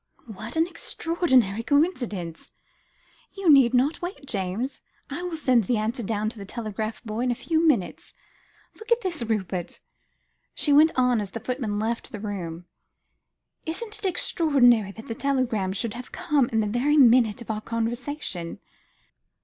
"What an extraordinary coincidence. You need not wait, James. I will send the answer down to the telegraph boy in a few minutes. Look at this, Rupert," she went on, as the footman left the room. "Isn't it extraordinary that this telegram should have come in the very middle of our conversation?"